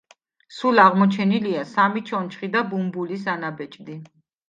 სულ აღმოჩენილია სამი ჩონჩხი და ბუმბულის ანაბეჭდი.